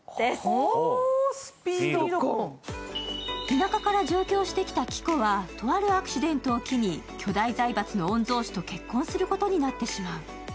田舎から上京してきたキコはとあるアクシデントを機に巨大財閥の御曹司と結婚することになってしまう。